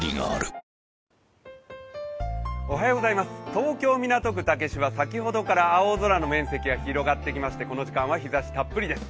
東京・港区竹芝、先ほどから青空の面積が広がってきまして、この時間は日ざしたっぷりです。